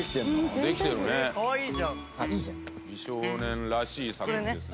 美少年らしい作品ですね。